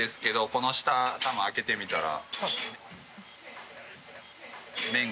この下開けてみたら。